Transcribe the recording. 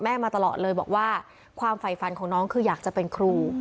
มาตลอดเลยบอกว่าความฝ่ายฝันของน้องคืออยากจะเป็นครู